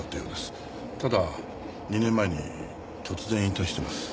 ただ２年前に突然引退してます。